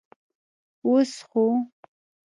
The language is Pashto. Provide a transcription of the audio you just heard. اوس خو.